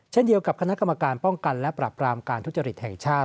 เช่นเดียวกับคณะกรรมการป้องกันและปรับรามการทุจริตแห่งชาติ